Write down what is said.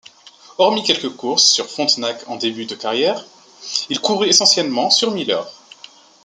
Hormis quelques courses sur Frontenac en début de carrière, il courut essentiellement sur Miller.